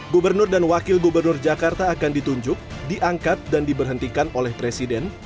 gubernur dan wakil gubernur jakarta akan ditunjuk diangkat dan diberhentikan oleh presiden